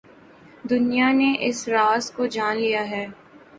دنیا نے اس راز کو جان لیا ہے۔